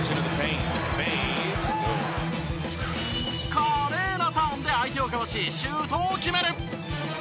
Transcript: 華麗なターンで相手をかわしシュートを決める！